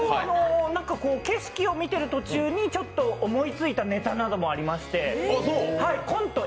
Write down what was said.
景色を見てる途中に思いついたネタなどもありましてコント